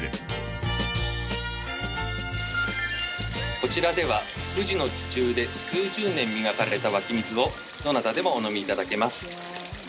こちらでは富士の地中で数十年磨かれた湧き水をどなたでもお飲みいただけます。